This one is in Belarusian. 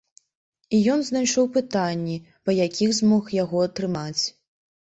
І ён знайшоў пытанні, па якіх змог яго атрымаць.